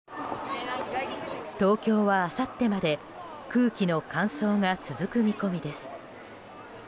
東京はあさってまで空気の乾燥が続く見込みです。